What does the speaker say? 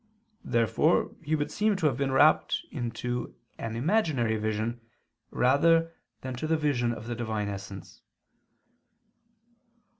Therefore he would seem to have been rapt to an imaginary vision rather than to the vision of the Divine essence.